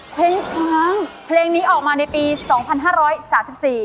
เพลงช้างเพลงนี้ออกมาในปีสองพันห้าร้อยสามสิบสี่